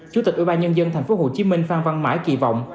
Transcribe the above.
chủ tịch ủy ban nhân dân tp hcm phan văn mãi kỳ vọng